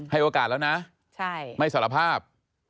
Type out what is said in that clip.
โอกาสแล้วนะไม่สารภาพ